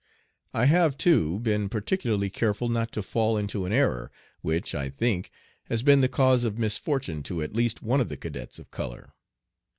I have, too, been particularly careful not to fall into an error, which, I think, has been the cause of misfortune to at least one of the cadets of color.